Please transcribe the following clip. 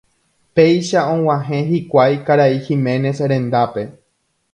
Péicha og̃uahẽ hikuái karai Giménez rendápe.